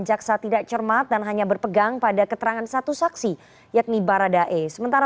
jaksa tidak cermat dan hanya berpegang pada keterangan satu saksi yakni baradae sementara